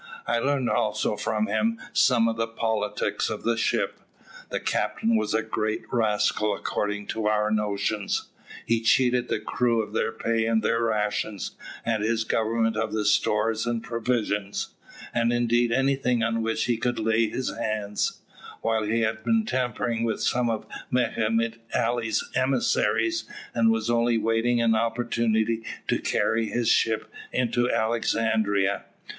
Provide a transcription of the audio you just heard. I learned also from him some of the politics of the ship. The captain was a great rascal according to our notions. He cheated the crew of their pay and their rations, and his government of the stores and provisions, and indeed anything on which he could lay his hands; while he had been tampered with by some of Mehemet Ali's emissaries, and was only waiting an opportunity to carry his ship into Alexandria.